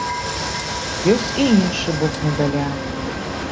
Ёсць і іншы бок медаля.